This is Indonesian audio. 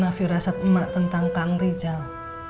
gimana firasat emak tentang kakak rizal